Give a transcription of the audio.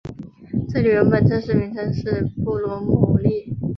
这里原本正式名称是布罗姆利。